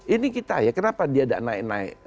ini kita ya kenapa dia tidak naik naik